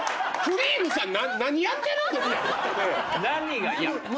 何が？